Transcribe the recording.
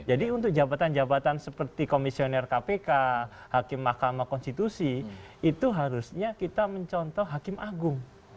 jadi untuk jabatan jabatan seperti komisioner kpk hakim mahkamah konstitusi itu harusnya kita mencontoh hakim agung